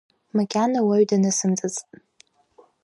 Макьана уаҩ данысымҵацт.